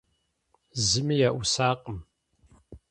Зыми еӀусакъым.